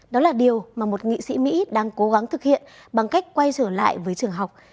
đó là điều mà một nghị sĩ mỹ đang cố gắng thực hiện bằng cách quay trở lại với trường học